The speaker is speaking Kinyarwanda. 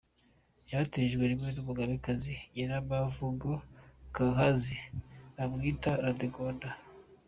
Yabatirijwe rimwe n’umugabekazi Nyiramavugo Kankazi, bamwita Radegonda.